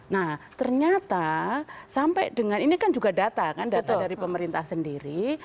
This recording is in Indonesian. nah ternyata sampai dengan ini kan juga data kan data dari pemerintah sendiri